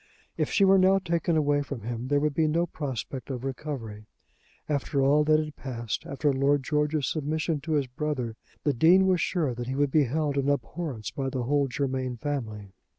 If she were now taken away from him there would be no prospect of recovery. After all that had passed, after Lord George's submission to his brother, the Dean was sure that he would be held in abhorrence by the whole Germain family.